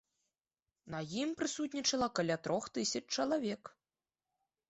На ім прысутнічала каля трох тысяч чалавек.